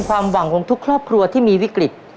ความหวังของทุกครอบครัวที่มีวิกฤต